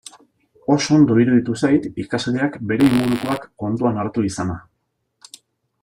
Oso ondo iruditu zait ikasleak bere ingurukoak kontuan hartu izana.